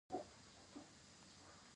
آیا هر څه به سم شي؟